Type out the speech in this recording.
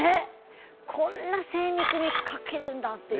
こんな精密に描けるんだって。